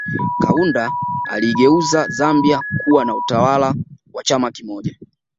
Kaunda aliigeuza Zambia kuwa na utawala wa chama kimoja